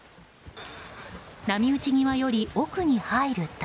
波打ち際より奥に入ると。